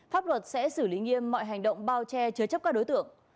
pháp luật sẽ xử lý nghiêm mọi hành động bao che chứa chấp các đối tượng